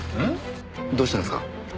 どうしたんすか？